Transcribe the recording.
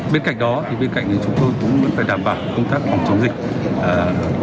bên cạnh đó thì bên cạnh chúng tôi cũng vẫn phải đảm bảo công tác bỏng chống dịch